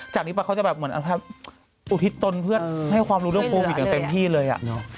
จากนี้เขาจะอุทิศตนเพื่อให้ความรู้เรื่องภูมิอยู่อย่างเต็มที่เลย